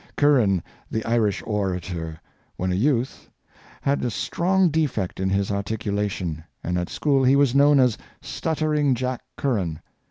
Curran, the Irish orator, when a youth, had a strong defect in his articulation, and at school he was known as " stuttering Jack Curran."